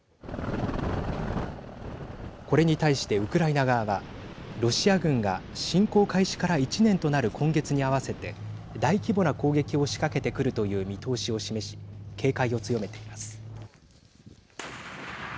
これに対してウクライナ側はロシア軍が侵攻開始から１年となる今月に合わせて大規模な攻撃を仕掛けてくるという見通しを示し警戒を強めています。